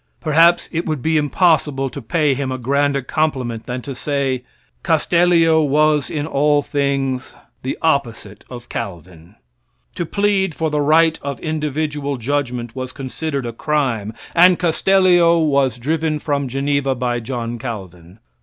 Perhaps it would be impossible to pay him a grander compliment than to say, Castellio was in all things the opposite of Calvin. To plead for the right of individual judgment was considered as a crime, and Castellio was driven from Geneva by John Calvin.